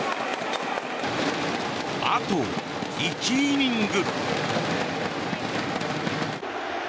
あと１イニング。